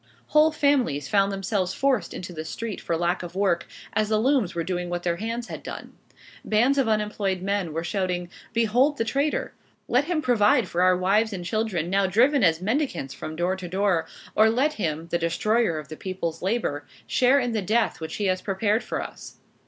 Whole families found themselves forced into the street for lack of work, as the looms were doing what their hands had done. Bands of unemployed men were shouting, "Behold the traitor! Let him provide for our wives and children now driven as mendicants from door to door; or let him, the destroyer of the peoples' labor, share in the death which he has prepared for us!"